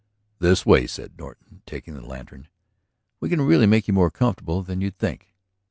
"This way," said Norton, taking up the lantern. "We can really make you more comfortable than you'd think."